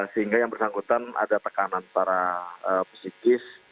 sehingga yang bersangkutan ada tekanan para pesikis